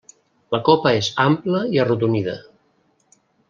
La copa és ampla i arrodonida.